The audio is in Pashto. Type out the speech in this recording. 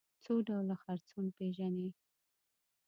څو ډوله څرخونه پيژنئ.